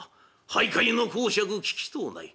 俳諧の講釈聞きとうない。